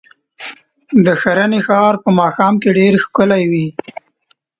د ښرنې ښار په ماښام کې ډېر ښکلی وي.